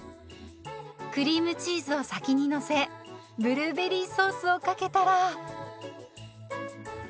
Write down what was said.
クリームチーズを先にのせブルーベリーソースをかけたら。